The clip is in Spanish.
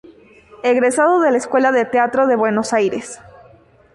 Egresado de la Escuela de Teatro de Buenos Aires.